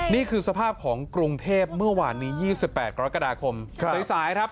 นี่คือสภาพของกรุงเทพเมื่อวานนี้ยี่สิบแปดกรกฎาคมครับสายสายครับ